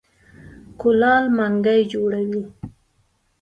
کولال منګی جوړوي.